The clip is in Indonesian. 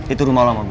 itu rumah lo sama gue